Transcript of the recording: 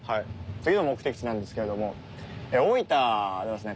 次の目的地なんですけれども大分のですね